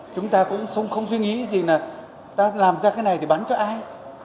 chúng ta cũng không suy nghĩ gì là ta làm ra cái này thì bán cho ai